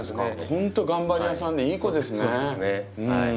ほんと頑張り屋さんでいい子ですね。